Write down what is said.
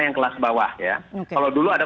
yang kelas bawah ya kalau dulu ada